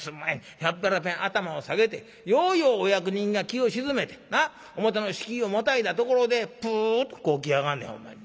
ひゃっぺらぺん頭を下げてようようお役人が気を静めて表の敷居をまたいだところでプとこうきやがんねんほんまに。